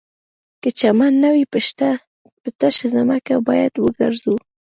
که چمن نه وي په تشه ځمکه باید وګرځو